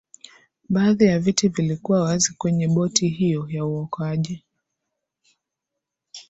baadhi ya viti vilikuwa wazi kwenye boti hiyo ya uokoaji